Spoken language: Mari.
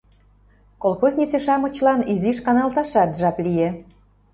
Колхознице-шамычлан изиш каналташат жап лие.